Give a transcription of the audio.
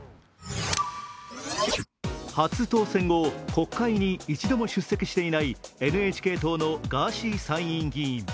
初当選後、国会に一度も出席していないＮＨＫ党のガーシー参院議員。